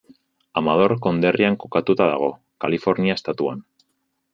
Amador konderrian kokatuta dago, Kalifornia estatuan.